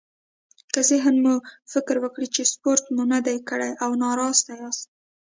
که ذهن مو فکر وکړي چې سپورت مو نه دی کړی او ناراسته ياست.